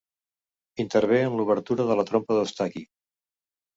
Intervé en l'obertura de la trompa d'Eustaqui.